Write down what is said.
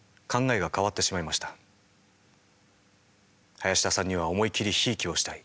林田さんには思い切りひいきをしたい。